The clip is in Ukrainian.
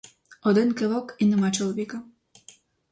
Один кивок і нема чоловіка.